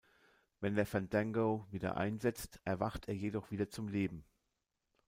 Wenn der Fandango wieder einsetzt, erwacht er jedoch wieder zum Leben.